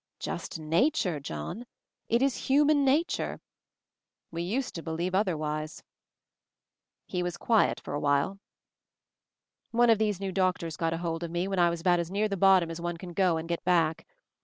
"Just nature, John. It is human nature. We used to believe otherwise." He was quiet for a while. "One of these new doctors got hold of me, when I was about as near the bottom as one can go and get back.